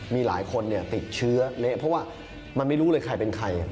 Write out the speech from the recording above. มีหลายคนติดเชื้อเละเพราะว่ามันไม่รู้เลยใครเป็นใคร